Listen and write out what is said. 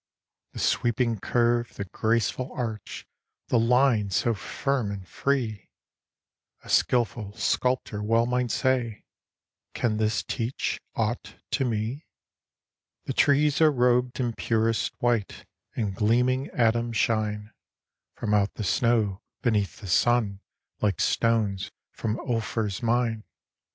The sweeping curve, the graceful arch, The line so firm and free; A skilful sculptor well might say: "Can this teach aught to me?" The trees are rob'd in purest white, And gleaming atoms shine From out the snow, beneath the sun, Like stones from Ophir's mine.